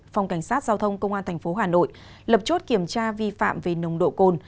phòng cảnh sát giao thông công an tp hà nội lập chốt kiểm tra vi phạm về nồng độ cồn